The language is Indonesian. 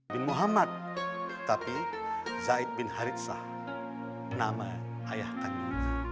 bin muhammad tapi zaid bin harithah nama ayah kami